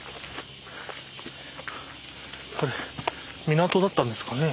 港だったんですかね。